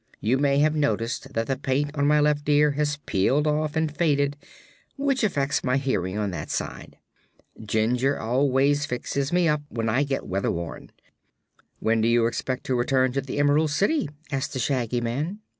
You may have noticed that the paint on my left ear has peeled off and faded, which affects my hearing on that side. Jinjur always fixes me up when I get weather worn." "When do you expect to return to the Emerald City?" asked the Shaggy Man.